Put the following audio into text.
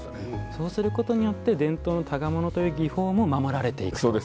そうすることによって伝統の箍物という技法も守られていくという。